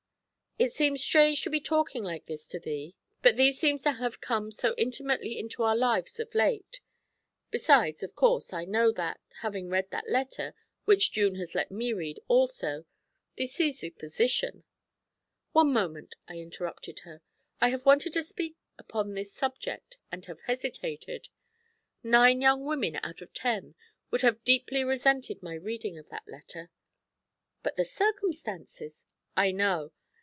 It seems strange to be talking like this to thee, but thee seems to have come so intimately into our lives of late besides, of course, I know that having read that letter, which June has let me read also thee sees the position ' 'One moment,' I interrupted her; 'I have wanted to speak upon this subject and have hesitated. Nine young women out of ten would have deeply resented my reading of that letter.' 'But the circumstances ' 'I know.